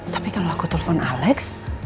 tapi kalau aku telpon alex